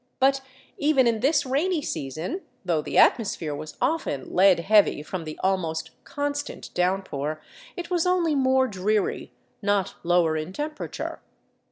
But even in this rainy season, though the atmosphere was often lead heavy from the almost constant down pour, it was only more dreary, not lower in temperature.